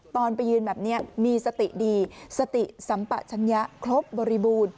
ตอนไปยืนแบบนี้มีสติดีสติสัมปะชัญญะครบบริบูรณ์